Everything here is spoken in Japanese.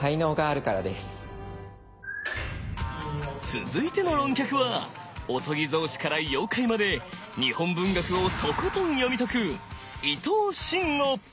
続いての論客は御伽草子から妖怪まで日本文学をとことん読み解く伊藤慎吾！